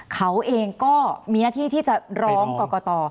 เขาเองก็มีหน้าที่ที่จะร้องกรกต